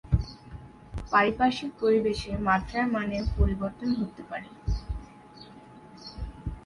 পারিপার্শ্বিক পরিবেশে মাত্রার মানের পরিবর্তন ঘটতে পারে।